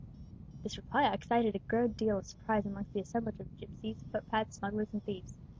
This reply excited a good deal of surprise amongst the assemblage of gipsies, foot pads, smugglers, and thieves.